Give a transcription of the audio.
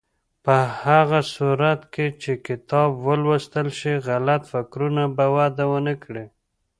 په هغه صورت کې چې کتاب ولوستل شي، غلط فکرونه به وده ونه کړي.